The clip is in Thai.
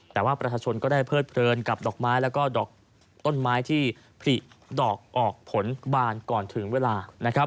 แต่ว่าประชาชนก็ได้เพิดเพลินกับดอกไม้แล้วก็ดอกต้นไม้ที่ผลิดอกออกผลบานก่อนถึงเวลานะครับ